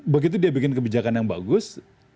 begitu dia bikin kebijakan yang bagus